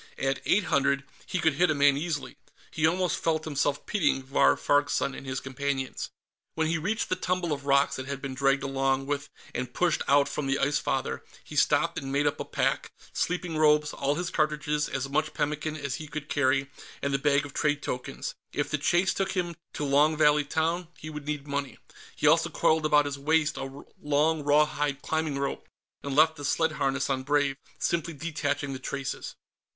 At eight hundred, he could hit a man easily. He almost felt himself pitying Vahr Farg's son and his companions. When he reached the tumble of rocks that had been dragged along with and pushed out from the Ice Father, he stopped and made up a pack sleeping robes, all his cartridges, as much pemmican as he could carry, and the bag of trade tokens. If the chase took him to Long Valley Town, he would need money. He also coiled about his waist a long rawhide climbing rope, and left the sled harness on Brave, simply detaching the traces.